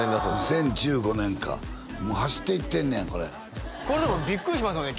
２０１５年かもう走っていってんねやこれこれだからビックリしますよね